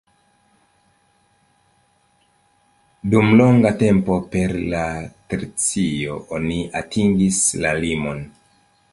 Dum longa tempo per la tercio oni atingis la limon.